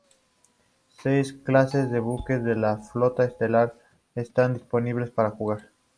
Seis clases de buques de la Flota Estelar están disponibles para jugar.